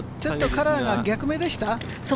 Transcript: カラーが逆目でした？